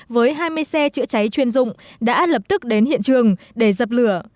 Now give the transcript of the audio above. với hai mươi xe chữa cháy chuyên dụng đã lập tức đến hiện trường để dập lửa